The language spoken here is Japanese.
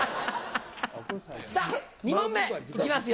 さぁ２問目行きますよ